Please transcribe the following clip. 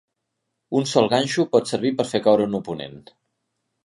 Un sol ganxo pot servir per fer caure un oponent.